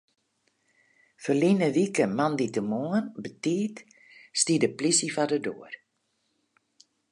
Ferline wike moandeitemoarn betiid stie de plysje foar de doar.